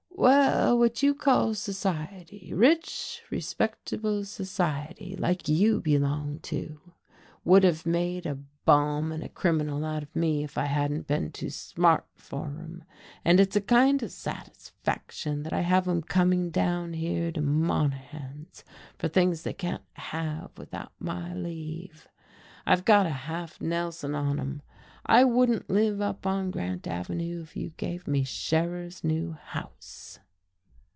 "Well, what you call society, rich, respectable society like you belong to would have made a bum and a criminal out of me if I hadn't been too smart for 'em, and it's a kind of satisfaction to have 'em coming down here to Monahan's for things they can't have without my leave. I've got a half Nelson on 'em. I wouldn't live up on Grant Avenue if you gave me Scherer's new house."